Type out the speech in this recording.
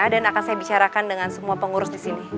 dan akan saya bicarakan dengan semua pengurus disini